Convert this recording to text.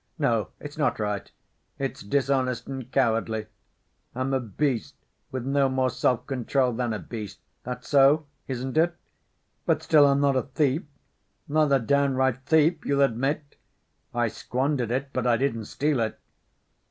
No, it's not right—it's dishonest and cowardly, I'm a beast, with no more self‐control than a beast, that's so, isn't it? But still I'm not a thief? Not a downright thief, you'll admit! I squandered it, but I didn't steal it.